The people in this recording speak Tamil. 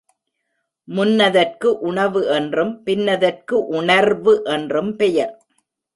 முன்னதற்கு உணவு என்றும் பின்னதற்கு உணர்வு என்றும் பெயர்.